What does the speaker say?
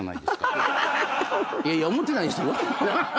いやいや思ってないですよ。